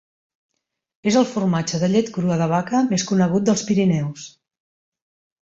És el formatge de llet crua de vaca més conegut dels Pirineus.